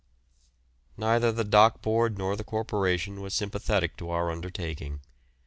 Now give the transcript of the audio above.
Neither the Dock Board nor the Corporation was sympathetic to our undertaking.